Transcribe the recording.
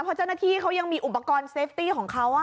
เพราะเจ้าหน้าที่เขายังมีอุปกรณ์เซฟตี้ของเขา